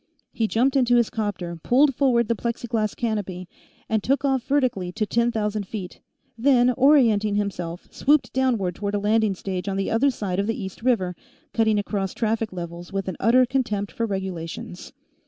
He jumped into his 'copter, pulled forward the plexiglass canopy, and took off vertically to ten thousand feet, then, orienting himself, swooped downward toward a landing stage on the other side of the East River, cutting across traffic levels with an utter contempt for regulations.